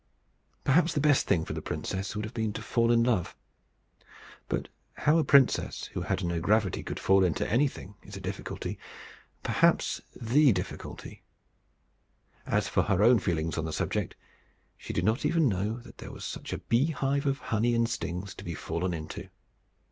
Perhaps the best thing for the princess would have been to fall in love. But how a princess who had no gravity could fall into anything is a difficulty perhaps the difficulty. As for her own feelings on the subject, she did not even know that there was such a beehive of honey and stings to be fallen into.